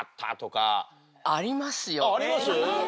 あります？